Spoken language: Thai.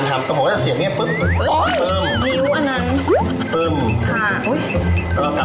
ขอบคุณพี่เอ๋ขอบคุณนะคะ